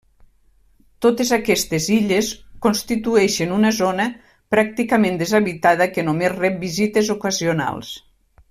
Totes aquestes illes constitueixen una zona pràcticament deshabitada que només rep visites ocasionals.